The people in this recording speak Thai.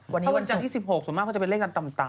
วันจันทร์๑๕ส่วนมากเขาจะเป็นเลขต่อศูนย์ต่ำ